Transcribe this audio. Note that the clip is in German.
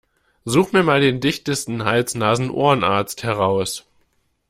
Such mir mal den dichtesten Hals-Nasen-Ohren-Arzt heraus!